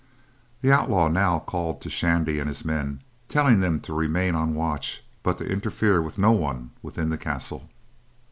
The outlaw now called to Shandy and his men, telling them to remain on watch, but to interfere with no one within the castle.